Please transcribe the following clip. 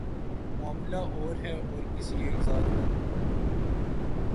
معاملہ اور ہے اور کسی ایک ذات کا نہیں۔